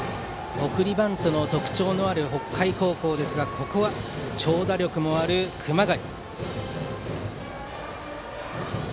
送りバントの特徴のある北海高校ですがここは、長打力もある熊谷。